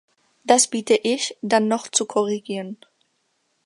Das bitte ich, dann noch zu korrigieren.